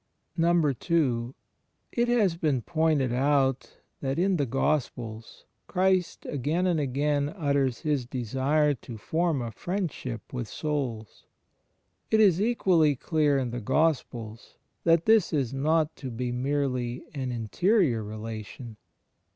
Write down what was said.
II. It has been pointed out that in the Gk)spels Christ again and again utters His desire to form a Friendship with souls. It is equally clear in the Gospels that this is not to be merely an interior relation.